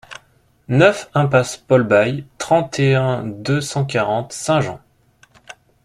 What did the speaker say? neuf iMPASSE PAUL BAYLE, trente et un, deux cent quarante, Saint-Jean